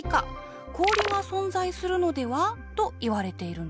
氷が存在するのでは？といわれているんですね。